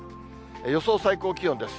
予想最高気温です。